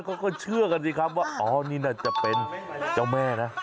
เขาก็เชื่อกันสิครับว่าอ๋อนี่น่าจะเป็นเจ้าแม่นะ